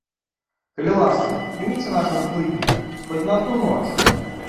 Калі ласка, прыміце нашага плытніка, хоць на адну ноч!